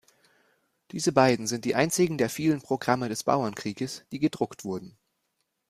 Diese beiden sind die einzigen der vielen Programme des Bauernkrieges, die gedruckt wurden.